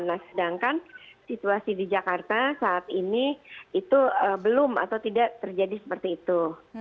nah sedangkan situasi di jakarta saat ini itu belum atau tidak terjadi seperti itu